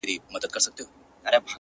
د نظرونو په بدل کي مي فکرونه راوړل ـ